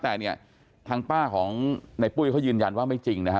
แต่เนี่ยทางป้าของในปุ้ยเขายืนยันว่าไม่จริงนะฮะ